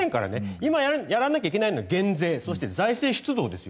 今やらなきゃいけないのは減税そして財政出動ですよ。